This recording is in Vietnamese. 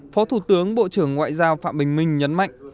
phó thủ tướng bộ trưởng ngoại giao phạm bình minh nhấn mạnh